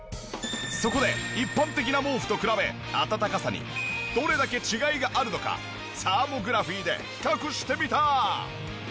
そこで一般的な毛布と比べ暖かさにどれだけ違いがあるのかサーモグラフィーで比較してみた。